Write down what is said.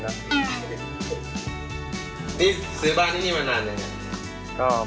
ทำเหมือนบ้านเองเลยครับ